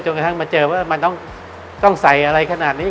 กระทั่งมาเจอว่ามันต้องใส่อะไรขนาดนี้